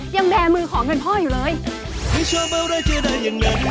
ยังแบมือขอเงินพ่ออยู่เลย